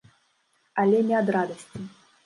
Але не ад радасці.